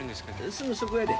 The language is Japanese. すぐそこやで。